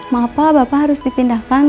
mengapa bapak harus dipindahkan